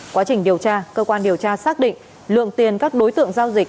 quá trình điều tra cơ quan điều tra xác định lượng tiền các đối tượng giao dịch